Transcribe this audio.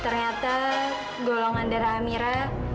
ternyata golongan darah amira